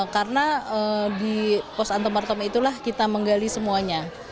karena di pos antemortem itulah kita menggali semuanya